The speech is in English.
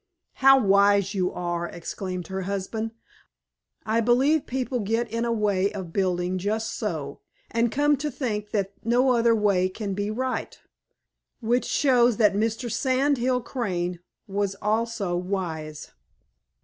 "How wise you are!" exclaimed her husband. "I believe people get in a way of building just so, and come to think that no other way can be right." Which shows that Mr. Sand Hill Crane was also wise.